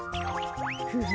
フフ。